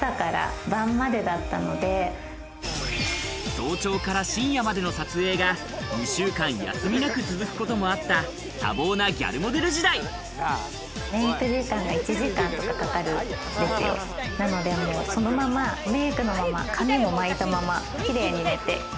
早朝から深夜までの撮影が２週間休みなく続くこともあった多忙なギャルモデル時代なのでそのままメイクのまま髪も巻いたままキレイに寝て。